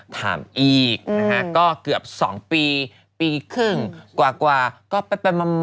ถามอีกอืมนะฮะก็เกือบสองปีปีครึ่งกว่ากว่าก็แปบแปบมามา